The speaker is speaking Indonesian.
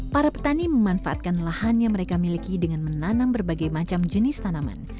para petani memanfaatkan lahan yang mereka miliki dengan menanam berbagai macam jenis tanaman